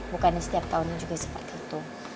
bukannya setiap tahunnya juga seperti itu